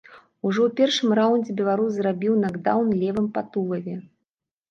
Ужо ў першым раўндзе беларус зрабіў накдаўн левым па тулаве.